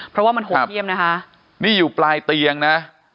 เพราะว่ามันโหดเยี่ยมนะคะนี่อยู่ปลายเตียงนะ